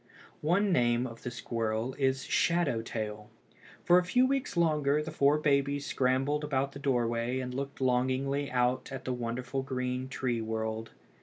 One name of the squirrel is "shadow tail." For a few weeks longer the four babies scrambled about the doorway and looked longingly out at the wonderful green tree world.